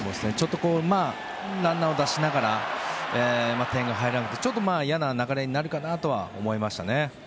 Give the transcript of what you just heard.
ランナーを出しながら点が入らなくてちょっと嫌な流れになるかなとは思いましたね。